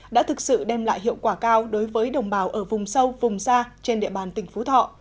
đã thực sự đem lại hiệu quả cao đối với đồng bào ở vùng sâu vùng xa trên địa bàn tỉnh phú thọ